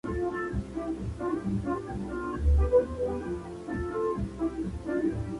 El sitio fue frecuentado por personalidades como Frida Kahlo y Chavela Vargas.